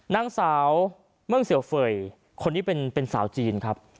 นางสาวเมืองเสียวเฟย์คนนี้เป็นสาวจีนครับ